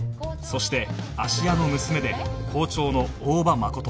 そして芦屋の娘で校長の大場麻琴